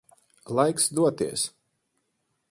Laiks doties.